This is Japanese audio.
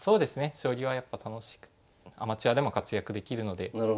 将棋はやっぱ楽しくアマチュアでも活躍できるので。